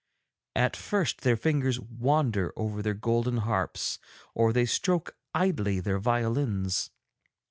'At first their fingers wander over their golden harps, or they stroke idly their violins.